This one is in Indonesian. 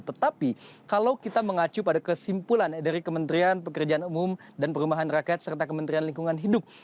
tetapi kalau kita mengacu pada kesimpulan dari kementerian pekerjaan umum dan perumahan rakyat serta kementerian lingkungan hidup